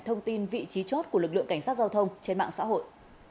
thông tin vị trí chốt của lực lượng cảnh sát giao thông trên mạng xã hội